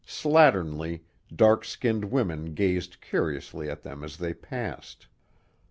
Slatternly, dark skinned women gazed curiously at them as they passed.